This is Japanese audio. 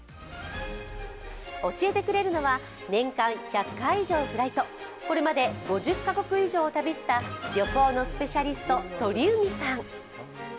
教えてくれるのは年間１００回以上フライト、これまで５０カ国以上を旅した旅行のスペシャリスト、鳥海さん。